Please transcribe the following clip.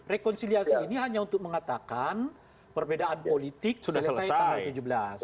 rekonsiliasi ini hanya untuk mengatakan perbedaan politik selesai tahun dua ribu tujuh belas